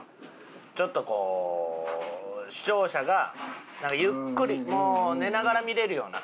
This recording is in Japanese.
ちょっとこう視聴者がゆっくりもう寝ながら見れるような。